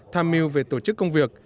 tham mưu về tổ chức công việc